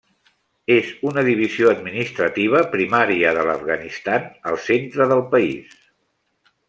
És una divisió administrativa primària de l'Afganistan al centre del país.